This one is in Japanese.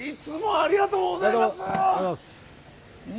ありがとうございます。